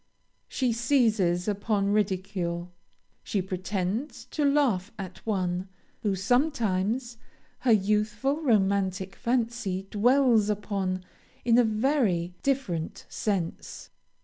She seizes upon ridicule. She pretends to laugh at one, whom sometimes her youthful romantic fancy dwells upon in a very different sense.